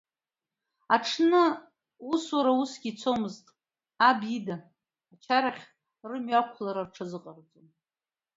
Аҽны усура усгьы ицомызт, аб ида, ачарахь рымҩақәлара рҽазыҟарҵон.